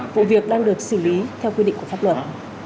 vụ việc đang được xử lý theo quy định của pháp luật